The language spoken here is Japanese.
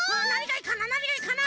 なにがいいかな？